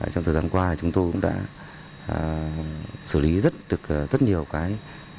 trong thời gian qua chúng tôi cũng đã xử lý rất nhiều cái